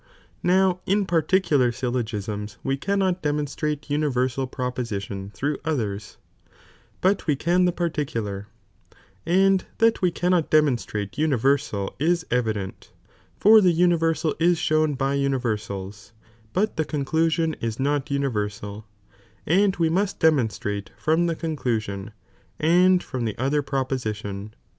* Now in particular ^ j^ pariico ■yUogtsma we cannot demonstrate universal pro un ifat mijor pOHtioa through others, but we can the particular, ^^^"I^Hhe md that we cannot demonstrate universal is evi minot'ti. Aeat, for the universal is shown by universale, , but the cooclusion is not universal, and we must denunutTBie from the conclusion, and froni the other proposi I tion.